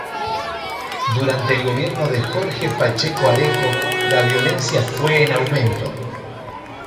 Durante el gobierno de Jorge Pacheco Areco la violencia fue en aumento.